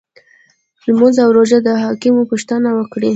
لمونځ او روژې د احکامو پوښتنه وکړي.